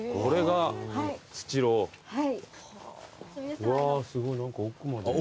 うわーすごい何か奥まで。